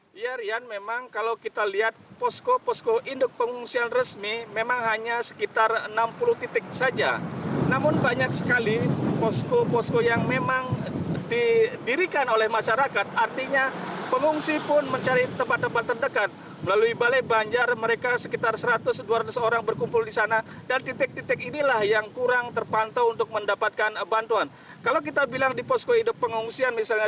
bagaimana kebutuhan dan fasilitas yang mereka butuhkan sudah terpenuhi seluruhnya